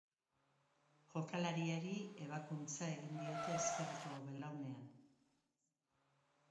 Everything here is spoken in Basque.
Jokalariari ebakuntza egin diote ezkerreko belaunean.